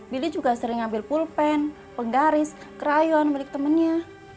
billy juga sering ambil pulpen penggaris crayon beli temennya